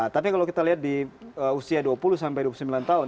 tapi kalau kita lihat di usia dua puluh sampai dua puluh sembilan tahun